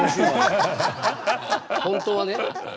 本当はね。